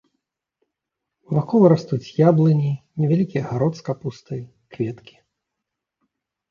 Вакол растуць яблыні, невялікі агарод з капустай, кветкі.